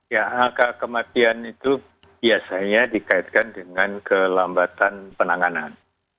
ya angka kematian itu biasanya dikaitkan dengan kelambatan penanganan